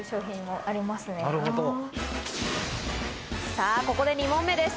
さぁ、ここで２問目です。